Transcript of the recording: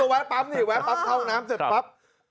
แวะปั๊มนี่แวะปั๊มเข้าน้ำเสร็จปั๊บ